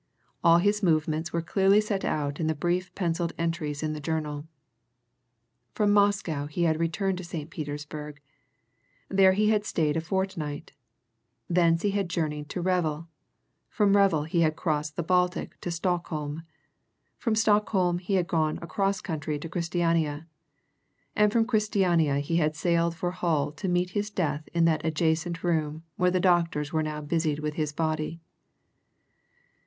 All his movements were clearly set out in the brief pencilled entries in the journal. From Moscow he had returned to St. Petersburg; there he had stayed a fortnight; thence he had journeyed to Revel, from Revel he had crossed the Baltic to Stockholm; from Stockholm he had gone across country to Christiania. And from Christiania he had sailed for Hull to meet his death in that adjacent room where the doctors were now busied with his body.